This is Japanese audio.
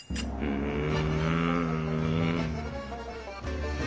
うん。